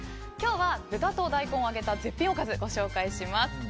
今日は豚と大根を揚げた絶品おかずご紹介します。